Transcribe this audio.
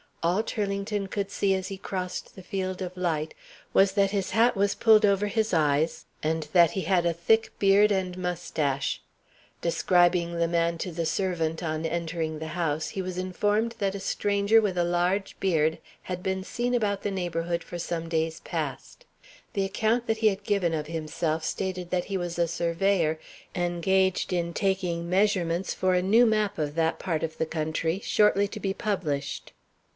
All Turlington could see as he crossed the field of light was, that his hat was pulled over his eyes, and that he had a thick beard and mustache. Describing the man to the servant on entering the house, he was informed that a stranger with a large beard had been seen about the neighborhood for some days past. The account he had given of himself stated that he was a surveyor, engaged in taking measurements for a new map of that part of the country, shortly to be published.